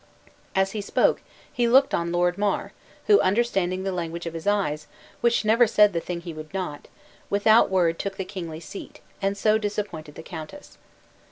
As he spoke, he looked on Lord Mar, who, understanding the language of his eyes, which never said the thing he would not, without a word took the kingly seat, and so disappointed the countess.